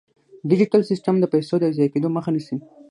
ډیجیټل سیستم د پيسو د ضایع کیدو مخه نیسي.